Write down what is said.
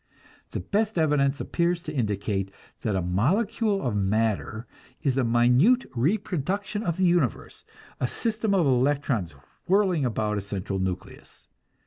The best evidence appears to indicate that a molecule of matter is a minute reproduction of the universe, a system of electrons whirling about a central nucleus.